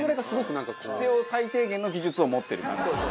必要最低限の技術を持ってる感じ。